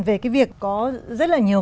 về cái việc có rất là nhiều